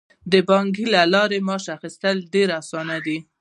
د بانک له لارې د معاش اخیستل ډیر اسانه دي.